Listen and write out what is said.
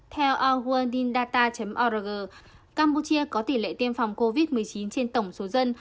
theo aung san suu kyi campuchia có tỷ lệ tiêm phòng covid một mươi chín trên tổng số dân